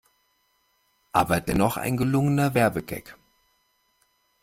Aber dennoch ein gelungener Werbegag.